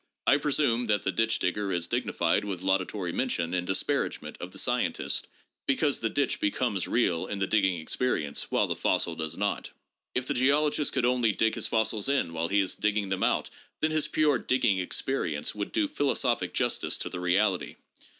I presume that the ditch digger is dignified with laudatory mention in disparagement of the scientist because the ditch becomes real in the digging experience, while the fossil does not. If the geologist could only dig his fossils in while he is digging them out, then his pure digging experience would do philosophic justice to the reality.